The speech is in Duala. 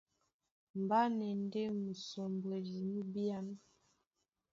Mbá na e ndé musombwedi nú bíán.